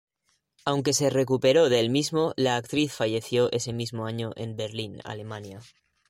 Aunque se recuperó del mismo, la actriz falleció ese mismo año en Berlín, Alemania.